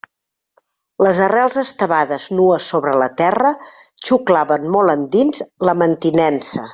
Les arrels estevades nues sobre la terra, xuclaven molt endins la mantinença.